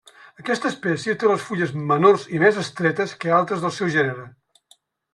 Aquesta espècie té les fulles menors i més estretes que altres del seu gènere.